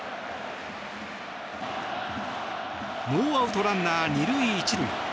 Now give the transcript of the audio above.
ノーアウト、ランナー２塁１塁。